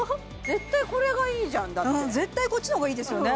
絶対これがいいじゃん絶対こっちのがいいですよね